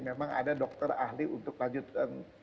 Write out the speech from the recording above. memang ada dokter ahli untuk lanjutan